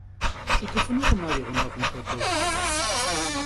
Şıtıfınukhım ar yi ğuneğum xuedeu.